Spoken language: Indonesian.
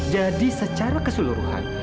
jadi secara keseluruhan